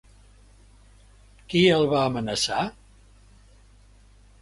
Qui el va amenaçar?